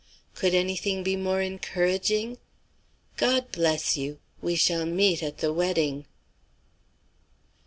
Could anything be more encouraging? God bless you; we shall meet at the wedding."